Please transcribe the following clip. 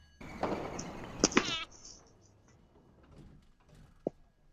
নিচে পানির প্রচুর মজুদ ছিল।